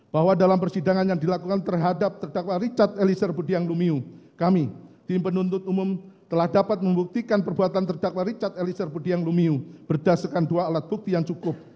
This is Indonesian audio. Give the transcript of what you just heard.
bahwa dalam persidangan yang dilakukan terhadap terdakwa richard elisir budiang lumiu kami tim penuntut umum telah dapat membuktikan perbuatan terdakwa richard eliezer budiang lumiu berdasarkan dua alat bukti yang cukup